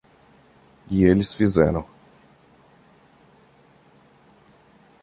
E eles fizeram.